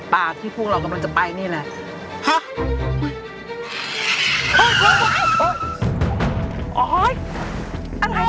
ปากที่พวกเรากำลังจะไปนี่แหละ